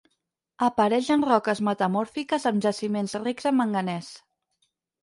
Apareix en roques metamòrfiques amb jaciments rics en manganès.